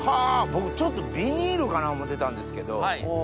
僕ビニールかな思ってたんですけど。